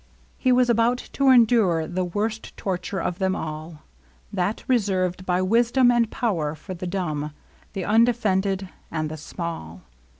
He was about to endure the worst torture of them all, — that reserved by wisdom and power for the dumb, the undefended, and the small.